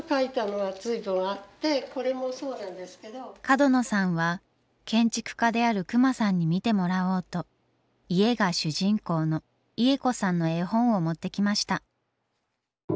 角野さんは建築家である隈さんに見てもらおうと家が主人公のイエコさんの絵本を持ってきました。